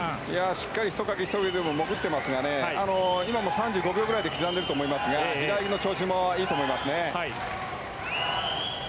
しっかりひとかきで潜ってますが今も３５秒ぐらいで刻んでいると思いますが平泳ぎの調子もいいと思います。